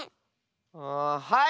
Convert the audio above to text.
あはい！